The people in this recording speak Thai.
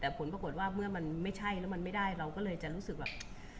แต่ผลปรากฏว่าเมื่อมันไม่ใช่แล้วมันไม่ได้เราก็เลยจะรู้สึกแบบ